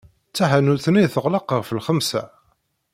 Taḥanut-nni teɣleq ɣef lxemsa.